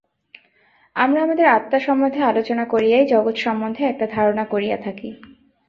আমরা আমাদের আত্মা সম্বন্ধে আলোচনা করিয়াই জগৎ সম্বন্ধে একটা ধারণা করিয়া থাকি।